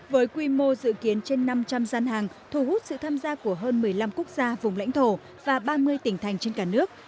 với quy mô dự kiến trên năm trăm linh gian hàng thu hút sự tham gia của hơn một mươi năm quốc gia vùng lãnh thổ và ba mươi tỉnh thành trên cả nước